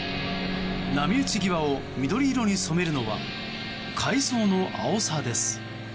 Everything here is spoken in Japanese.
波打ち際を緑色に染めるのは海藻のアオサです。